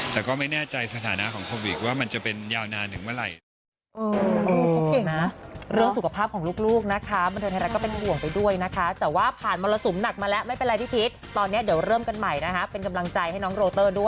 แต่ก็ไม่แน่ใจสถานะของโควิดว่ามันจะเป็นยาวนานถึงเมื่อไหร่